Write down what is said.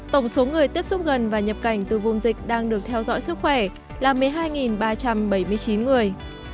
tổng số người tiếp xúc gần và nhập cảnh từ vùng dịch đang được theo dõi sức khỏe là một mươi hai ba trăm bảy mươi chín người